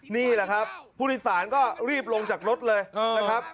นี่แหละครับผู้โดยสารก็รีบลงจากรถเลยนะครับ